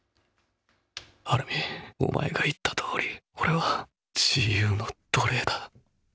アルミン、お前が言ったとおり俺は自由の奴隷だ。